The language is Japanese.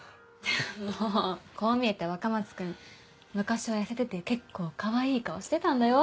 もうこう見えて若松君昔は痩せてて結構かわいい顔してたんだよ。